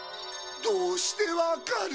どうしてわかる？